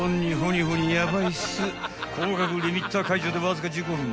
［高額リミッター解除でわずか１５分